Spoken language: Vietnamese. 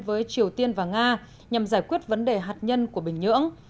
với triều tiên và nga nhằm giải quyết vấn đề hạt nhân của bình nhưỡng